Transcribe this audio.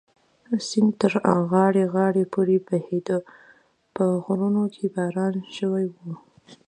سیند تر غاړې غاړې پورې بهېده، په غرونو کې باران شوی و.